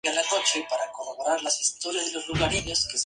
Comenzaron a trabajar juntos y Nikos compuso tres canciones para ella.